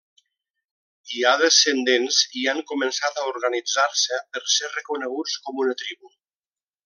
Hi ha descendents i han començat a organitzar-se per ser reconeguts com una tribu.